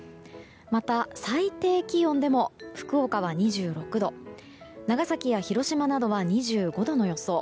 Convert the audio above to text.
また、最低気温でも福岡は２６度長崎や広島などは２５度の予想。